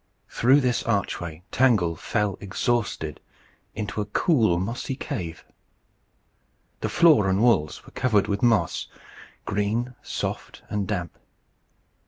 Through this archway Tangle fell exhausted into a cool mossy cave. The floor and walls were covered with moss green, soft, and damp.